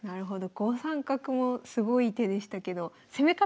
５三角もすごい手でしたけど攻め方